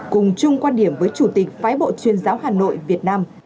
cùng chung quan điểm với chủ tịch phái bộ chuyên giáo hà nội việt nam